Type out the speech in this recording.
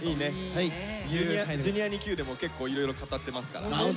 「Ｊｒ．にＱ」でも結構いろいろ語ってますから。